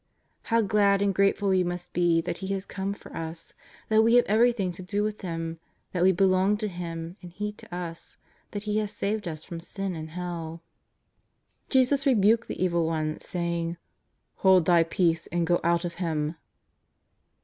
How glad and grateful we must be that He has come for us, that we have everything to do with Him, that we belong to Him and He to us, that He has saved us from sin and hell. Jesus rebuked the Evil One saying: ''Hold thy peace and go out of him."